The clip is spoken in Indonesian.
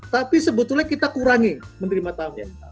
tapi sebetulnya kita kurangi menerima tamu